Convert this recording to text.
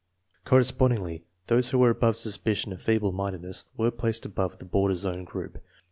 Correspondingly, those who were above suspicion of feeble mindedness were placed above the border zone group.